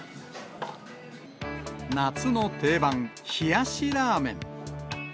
夏の定番、冷やしラーメン。